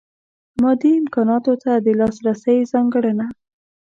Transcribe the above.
مادي امکاناتو ته د لاسرسۍ ځانګړنه.